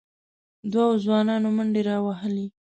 دوو ځوانانو منډې راوهلې،